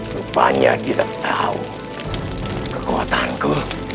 rupanya dia tahu kekuatanku